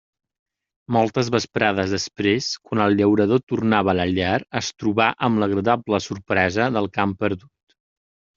Moltes vesprades després, quan el llaurador tornava a la llar, es trobà amb l'agradable sorpresa del cant perdut.